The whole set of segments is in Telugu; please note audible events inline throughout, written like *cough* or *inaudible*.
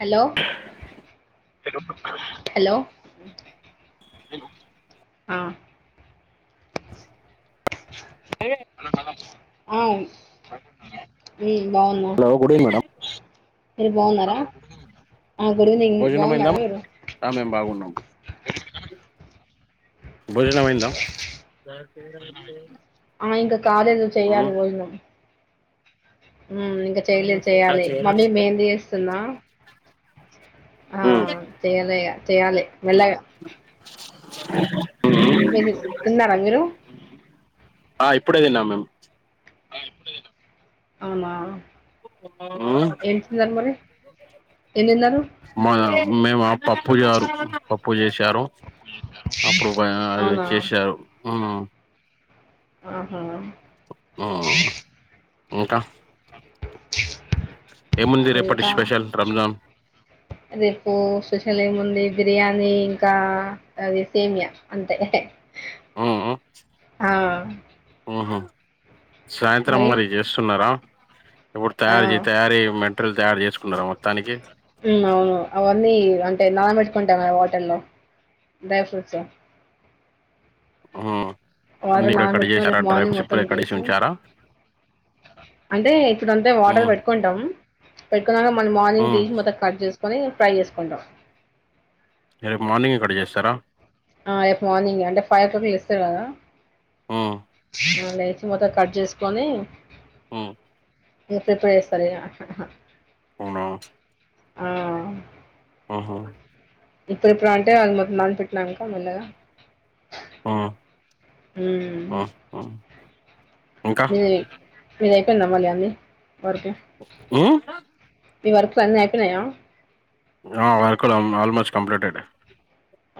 హలో హలో హలో ఆ *unintelligible* అమ్ బాగున్నారా హలో గుడిగ్ మేడం మీరు బాగున్నారా ఆ గుడ్ ఈవెనింగ్ భోజనం అయిందా బాగున్నారా మీరు ఆ మేము బాగున్నాం భోజనం మైంద *unintelligible* ఆ ఇంకా కాలేదు చెయ్యలి భోజనం ఉ ఇంకా చెయలేదు చెయ్యాలే మమ్మీ మెహందీ చేస్తున్నా ఆ ఉమ్ చేయలే ఇగ చేయాలే మెల్లగా *inaudible* తిన్నారా మీరు ఆ ఇప్పుడే తిన్నాం మేమ్ అవునా ఉమ్ ఏం తిన్నరు మరి ఎం తిన్నరు మాద మేమా పప్పు జారు పప్పు చే విషారో అప్పుడు పైన ఎం అవునా చేసారు ఆహా ఆ ఇంకా ఏముంది రేపటి ఇంకా స్పెషల్ రంజాన్ రేపు స్పెషల్ ఏముంది బిర్యానీ ఇంకా అది సేమియా అంతే ఆఆ ఆ ఆహా సాయంత్రం మరి చేస్తున్నారా ఇప్పుడు ఆ తయారు చేయి తయారు చేయిమన్ ట్రలు తయారు చేసుకున్నరా మొత్తానికి ఉ అవును అవన్నీ అంటే నానబెట్టుకుంటం గదా వాటర్లో డ్రై ఫ్రూట్స్ ఆ వాటర్ల నాన పెట్టుకని రేపు మార్నింగ్ మొత్తం కడిగేసి తీసి ఉంచారా అంటే ఇప్పుడాంటే వాటర్ ఉమ్ పెట్టుకుంటాం కున్నంక మళ్ళీ మార్నింగ్ ఉమ్ తీసి మొత్తం కటుజెస్ కొని ఫ్రై చేసుకుంటాం రేపు మార్నింగే కాడ్చేస్తారా ఆ రేపు మార్నింగే అంటే ఫైవ్ ఓ క్లాక్ లేస్తరు కదా ఆ ఆ లేచి మొత్తం కట్ చేసుకొని హు ఇంక పప్పు చేస్తలేవ హా హా అవును. అవున ఆహా! ఇప్పుడు ఇప్పుడు అంటే అది మొత్తం నాన్ పెట్నాంక మెల్లగా ఆ ఆ ఆ ఇంకా నిజమే మీదయిపోయింద మళ్ళీ అన్ని వర్క్ హ్మ్ మీ వర్క్స్ అన్నీ అయిపేనాయా. ఆ వర్కుల్ ఆల్మోస్ట్ కంప్లీటెడ్.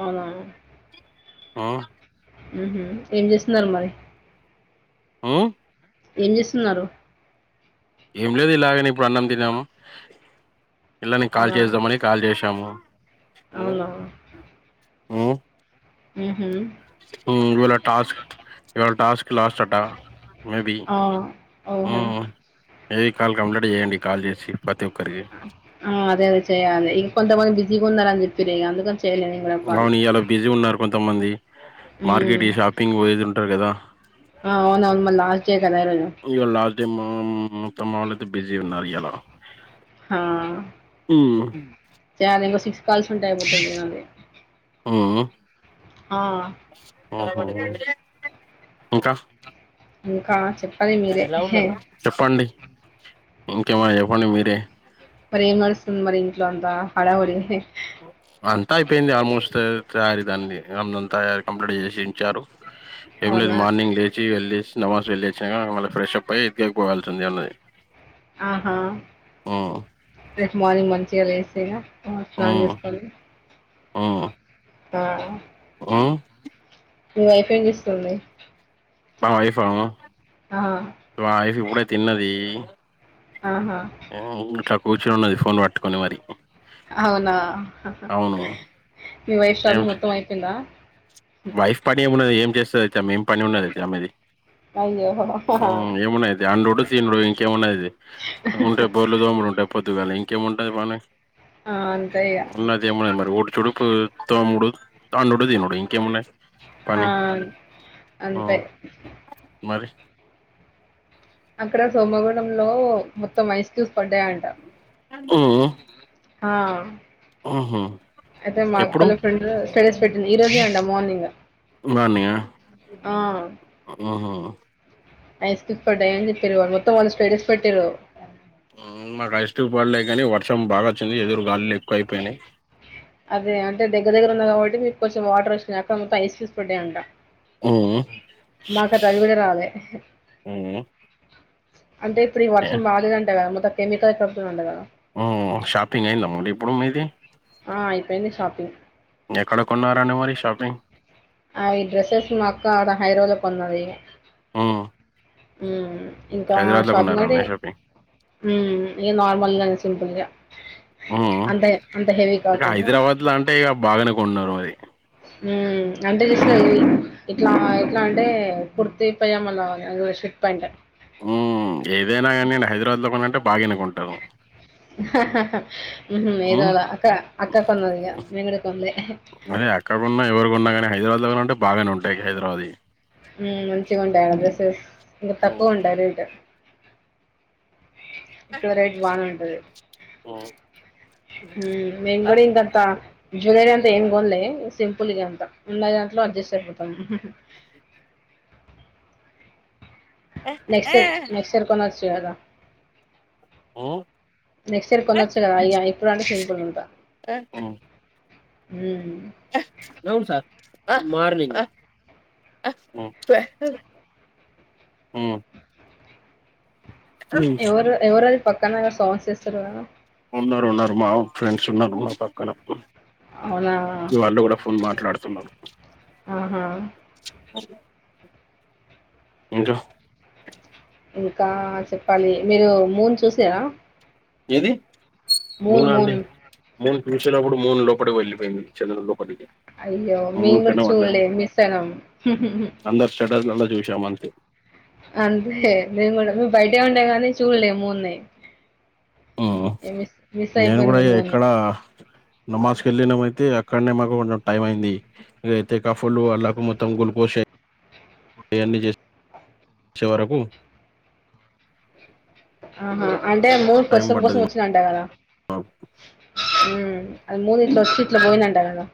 అవునా ఉ ఉహు ఏం చేస్తున్నారు మరి. ఊ ఏం చేస్తున్నారు. ఏం లేదు ఇలాగనే ఇప్పుడు అన్నం తిన్నాము. పిల్లని కాల్ అవునా చేద్దామని కాల్ చేశాము. ఇంగా అవునా ఉ ఊహు. ఊ ఇవాళ టాస్క్ ఇవాల టాస్క్ లాస్ట్ అట మేబీ ఆ ఓహో హ్మ్. ఏవి కాల్ కంప్లీట్ చేయండి కాల్ చేసి. ప్రతి ఒక్కరికి. ఆ అదే అదే చేయాలి. కొంతమంది బిజీగా ఉన్నారని చెప్పిర్రిగా అందుకని. చేయలే నేను అవును ఇయాల బిజీగున్నరు. కొంతమంది. మార్కెట్ హ్మ్ ఈ షాపింగ్ పోయేది ఉంటారు కదా! ఆ అవును మళ్ళా లాస్ట్ డే కదా ఈ రోజు. హ్మ్ మా అమ్మ వాళ్ళయితే బిజీగున్నారు ఇయాల. హా హ్మ్. చేయాలింగా సిక్స్ కాల్స్ ఉంటే అయిపోతుంది నాది. హ్మ్. ఆ. ఆహా! ఇంకా. ఇంకా చెప్పు. మరి ఎలా ఉన్నారు చెప్పండి. ఇంకేమన్న చెప్పండి మీరే. ఇల్లంతా హడావిడి. అంతా అయిపోయింది ఆల్మోస్ట్ తయారీ దాన్ని అంతాయ కంప్లీట్ చేసించారు. ఏం లేదు అవునా మార్నింగ్ లేచి వెళ్లి. నమస్ వెళ్ళి వచ్చినక మళ్ళా ఫ్రెష్ అప్ అయ్యి ఇబ్జ కి పోవాల్సి ఉన్నది. ఆహా హ్మ్ రేపు మార్నింగ్ మం. లేసగా. స్నానం హ్మ్ చేసుకొని. హ్మ్. ఆ ఆ మీ వైఫ్ ఏం చేస్తుంది. మా వైఫ ఆ! మా వైఫ్ ఇప్పుడే తిన్నది ఆహా ఆ ఇంట్లా కూర్చొన్న ఫోన్ పట్టుకొని మరి అవునా ఆహా అవును మీ వైఫ్ ఏం షాపింగ్ మొత్తం అయిపోయిందా వైఫ్ పని ఏమున్నది ఏం చేస్తారు అతే మేం పని ఉన్నదైతే అమెది ఆ ఏమన్నాది అయితే తనుడు ఇంకేమన్నాది ఉంటా బోర్లు దోమలు ఉంటాయి పొద్దుగా ఇం ఇంకేంమంటాయి పనే అంతే ఇగ. ఉన్నదిమన్నా మరి ఊడుచుడుపు తమ్ముడు తన్నుడు తినడు ఇంకేమన్నాయి ఆ ఆ అంతే మరి అక్కడ సోమవడంలో మొత్తం ఐస్ క్యూబ్స్ పడ్డాయంట ఆ హ అయితే ఎప్పుడు మాక్కలు ఫ్రెండ్ స్టేటస్ ఈ రోజే అంట మార్నింగ్ మార్నింగ్ ఆ! ఆ ఆహా ఐస్ క్యూబ్స్ పడ్డాయి అని చెప్పారు వాళ్ళు మొత్తం వాళ్ళు స్పేటస్ పెట్టారు మాకు ఐస్ క్యూబ్స్ పడలే కానీ వర్షం బాగా చలి ఎదురు గాలులు ఎక్కువ అయిపోయినాయి అదే అంటే దగ్గ్గ ఉన్నంది కాబట్టి మీకుంచం వాటర్ వచ్చినా అక్కడ మత్త ఐస్ క్యూస్ పెట్టేయంట ఆ రాలే అంటే ఇప్పుడు ఈ వర్షం బాలేదంట కదా మొద కెమికల్ శబ్ ఉండద కదా షాపింగ్ అయిందమ్మ ఇప్పుడు మీది ఆ అయిపోయింది షాపింగ్ ఎక్కడ కొన్నారని మరి షాపింగ్ అవి డ్రెస్సెస్ మాక్క ఆడ హైదరాబాద్ కొన్నది ఆ ఉ ఇంకా షాపింగ్ అయితే షాపింగ్ ఇ నార్మల్గానీ సింపుల్ గా మ్ ఇగ కాకుండా హైదరాబాద్లో అంటే ఇక బాగానే కొన్నర్ మరి మ్ ఉమ్ అంటెలిస్తది ఇట్లా ఎట్లా అంటే కుర్తి పైజమాలొ అదొక షర్ట్ పాయింట్ హ్మ్. ఏదైనా గాని నేను హైదరాబాద్‌లో కొనంటే బాగానే కొంటాను. హ హ మ్హు హ్మ్. ఎదోల అక్క అక్క కొన్నాదిగా మేమ్ కూడా కొన్లే లౌంటే బాగానే ఉంటాయి హైదరాబాది మ్ మంచిగా ఉంటాయా డ్రెస్సెస్ ఇగ హ్మ్. తక్కువ ఉంటాయా రేట్ వేరేట్ బానే ఉం ఎ మ్ మ్ మేమ్ గుడా అంత కొత్త జ్యూవెలరీ ఏం గోనలే సింపుల్గా ఉంటాం ఉన్నదాంట్లో అడ్జస్ట్ అయిపోతాము మ్హు నెక్స్ట్ నెక్స్ట్ ఇయర్ కొన్న చ్యధా హ్మ్. నెక్స్ట్ ఇయర్ కొనచ్చు కదా ఇ ఇయర్ ఇప్పుడు అంటే సింపుల్గా ఉంటా హ్మ్. మ్ అ మార్నింగ్ అ మ్ ఎవరు ఎవరది పక్కనఎవర్స్ సాంగ్స్ ఏస్తారు కదా ఉన్నారు ఉన్నారు మా ఫ్రెండ్స్ ఉన్నారు మా పక్కన అవునా! మీ వాళ్ళు కూడా ఫోన్ మాట్లాడుతున్నారు ఆహా! ఇంకా ఇంకా చెప్పాలి మీరు మూను చూసారా ఏది మూనా అంటె మూన్ చూసినప్పుడు మూడు లోపటికి వెళ్లిపోయింది చంధ్రున్ లోపటికి అయ్యో మీమ్ కుడు చూడాలే మిసయ్యినం ముహు అందరి స్టేటస్‌లల్లా చూసాం అంతే. అంతే నేను కూడా మ్ బయటే ఉండే కానీ చూడలే మూన్నే మ్ నేను కూడా ఇ మూన్ ఇక్కడ నమాజ్కి వెళ్ళినమయితే అక్కడనే మాకు టైం అయింది ఇకైతే కఫలు అల్లకు మొత్తం గ్లూకోజ్ అన్ని చేసే వరకు ఆహా అంటే మూడు టైం కోసం కోసం పడ్డది వచ్చింది అంటా కదా మ్ అది మూదిట్లా వచ్చీ ఇట్లా పోయిందంట కదా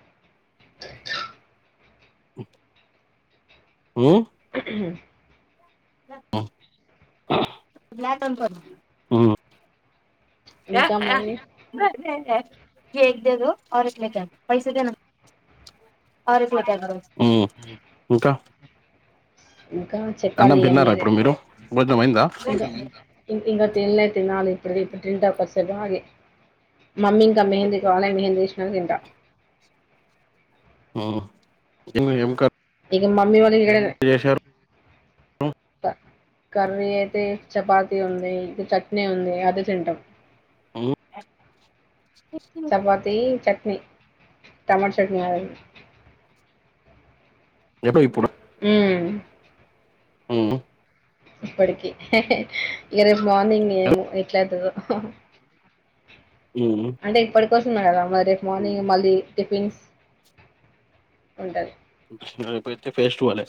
మ్ మ్మ్ ఊహూ మ్ మ్ అ ఇంకా అ మరి నేను చేస్తా ఏక్ దేదో ఔర్ ఏక్ ఇలే క పైస దేనా ఔర్ ఏక్ లే క మ్ ఇంకా ఇంకా చెప్పాలి అన్నం ఇగ తిన్నారా మీరే ఇప్పుడు మీరు భోజనం అయిందా ఇంకా ఇం- ఇంకా తినలే తినాలి ఇప్పుడు ఇప్పుడు తింటా కొంసేపు ఆగి మమ్మీ ఇంకా మెహంది కాలే మెహందీ ఎసినాంక తింటా అ ఏమి ఏం కా ఇక మమ్మీ వాల చేశారు ప కర్రీ అయితే చపాతీ ఉంది ఇంత చట్నీ ఉంది అదే తింటం మ్ చపాతీ చట్నీ టమాట చట్నీ ఆ ఎప్పు ఇప్పుడు మ్ మ్ ఇప్పటికి ఇక రేపు మార్నింగ్ ఏమో ఎట్లయితదో మ్ హూ స్తున్నాయి కదా మరి రేపు మార్నింగ్ మళ్లి టిఫిన్స్ ఉంటది రేపు అయితే ఫేస్టూవెలే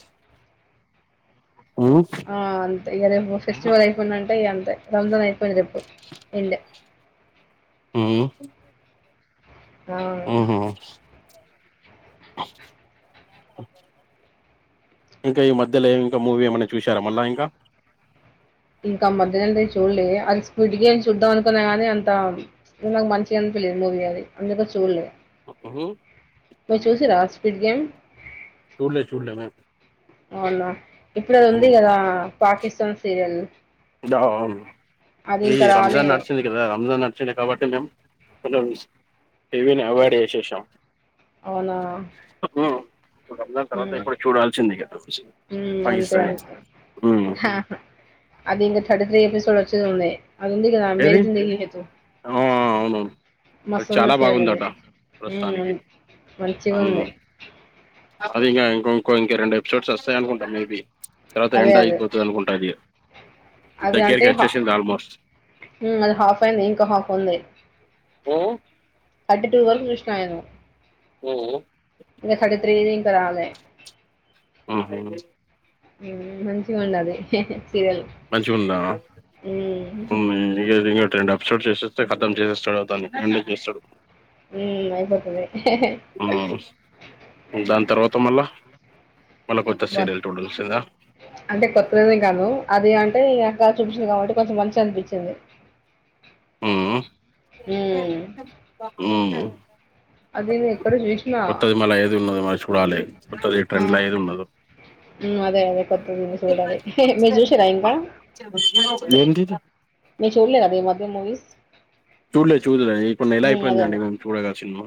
ఆ అం తే ఇక రేపు ఫెస్టివల్ అయిపోయిందంటే ఇగ అంతే రంజాన్ అయిపోయింది రేపు యెండు మ్ అ ఇంకా ఈ మధ్యలో ఇంకా మూవీ ఏమైనా చూశారా మళ్ళ ఇంకా ఇంకా మధ్యనే చూడలే అది స్పీడ్ గేమ్ చూద్దాం అనుకున్నా గానీ అంత నాకు మంచిగా అనిపియలేదు మూవీ అది అందుకే చూల్లే ఉహు మీరు చూసిర్రా ఆ స్పి డ్ గేమ్ చూల్లే చూల్లే మేము అవునా ఇప్పుడు అది వుంది కదా పాకి స్తా సీరియల్ దాను అది ఈ ఇంకా రాలే రంజాన్ నడుచింది కదా రంజాన్ ప కాబట్టి మీము కొంచం ఇవిని చు అవార్డేచేశేషం అవునా హు ఇప్పుడు రంజాన్ తర్వాత మ్మ్ ఎప్పుడు చూడాల్సింది ఇగ మ్మ్ అంతే పాకిస్తానే అంతే హు అది ఇగ థర్టీ త్రీ ఎపిసోడ్ వచ్చేది ఉంది అది ఉంది కదా అ ఏది మేరజందిదు ఆ అవునవును అది మస్తుంది చాలా సీరియల్ అది బాగుందట హు మం ప్రస్తుతానికి మంచిగా ఉమ్ ఉంది అది ఇంకా ఇంక ఇంకో ఇంక రెండు ఎపిసోడ్స్ వస్తాయ అకుంటాం మేబీ తర్వాత అదే ఎండ్ అదే అయిపోతది అనుకుంటా అది దగ్గరికి వచ్చేసింది ఆల్మోస్ట్ హు అది హాఫ్ అయింది ఇంకా హాఫ్ ఉంది ఓ ఫార్టీ టూ వరకు చూసిన నిను హూ హు ఇంకా థర్టీ త్రి ది ఇంకా రాలే మ్ హు హు మంచి గుండది మంచిగా ఉందా హు మ్మ్ ఇగదిగ ట్రెండ్ అప్ సోడ్ చేసేస్తే కతం చేసేస్తాడు దాన్ని అే చేస్తాడు ఉ అయిపోతది హు దాని తర్వాత్ త మళ్ళ అంటే కొత్తదని కాదు అది అంటే ఇగ చూపిచ్చింది కాబట్టి కొంచెం మంచి అనిపిచింది మ్మ్ హు మ్మ్ అదిని ఎక్కడో చుసినా రా లే ఆ హు అదే అదే కొత్తది నిన్ చూడలే మీరు చూసిరా ఇంకా ఏంటిది మీ చూడలేదా ఈ మధ్య మూవీస్ చూల్లే చూల్లే ఇప్పుడు నెల హ్మ్. అదే అయిపోయిందండి అదే. మేము చూడక సినిమా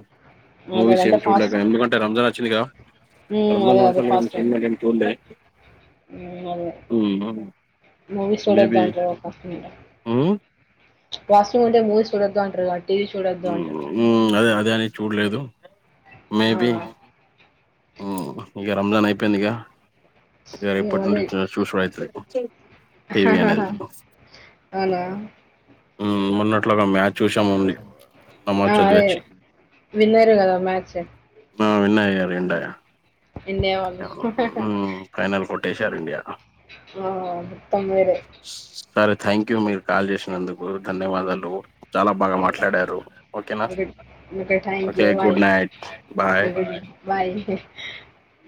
అదే అదే మూవీస్ ఏం అంటే చూల్లే ఫాస్ట్ ఎందుకంటే రంజన్ అ చ్చింది గా హ్మ్. *unintelligible* సినిమా గని చుల్లే అవును మూవీస్ మేబీ చూడొదాంటరు ఉమ్ వాష్రూమ్ ఉంటే మూవీస్ చూడొద్దు అంటారుగావట్టి అదే అదే అని చూడలేదు మే ఆ! బి అవును. ఉహ్ ఇగ రంజాన్ అయిపోయిందిగా ఇగ ఇప్పటి నుండి ఇట్లనే చూసుడయితది చె హాహా అవునా ఉ మొన్న ఆ చదివి అదే వచ్చి విన్ అయ్యురు కదా మ్యాచ్ ఆ విన్నయ్యరూ విన్ అయ్యా ఇండియా వాళ్ళు ఉ ఫైనల్ కొట్ ట్టేశారు ఇండియా ఆ మొత్తం వేరే సరే థ్యాంక్ యూ మీరు కాల్ చేసినందుకు ధన్యవాదాలు చాలా బాగా మాట్లాడారు ఓకేనా okay thank okay you good night bye good night bye